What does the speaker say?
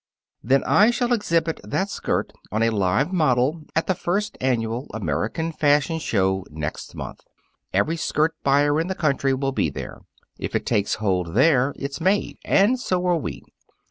"Then I shall exhibit that skirt on a live model at the First Annual American Fashion Show next month. Every skirt buyer in the country will be there. If it takes hold there, it's made and so are we."